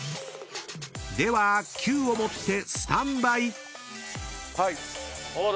［ではキューを持ってスタンバイ］